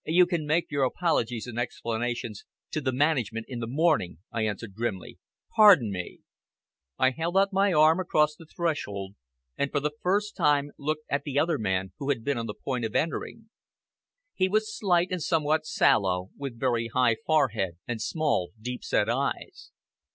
"You can make your apologies and explanations to the management in the morning," I answered grimly "Pardon me!" I held out my arm across the threshold, and for the first time looked at the other man who had been on the point of entering. He was slight and somewhat sallow, with very high forehead and small deep set eyes.